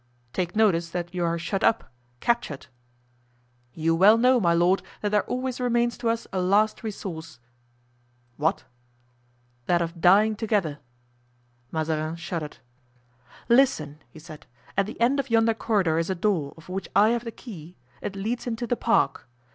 "Take notice that you are shut up—captured." "You well know, my lord, that there always remains to us a last resource." "What?" "That of dying together." Mazarin shuddered. "Listen," he said; "at the end of yonder corridor is a door, of which I have the key, it leads into the park.